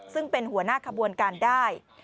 ซึ่งเป็นหัวหน้าขบวนการได้